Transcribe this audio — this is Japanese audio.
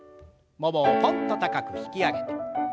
ももをとんっと高く引き上げて。